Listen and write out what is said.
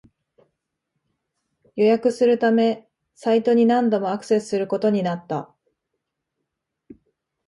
予約するためサイトに何度もアクセスすることになった